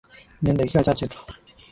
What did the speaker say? Nina dakika chache tu